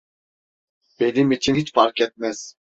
Benim için hiç fark etmez.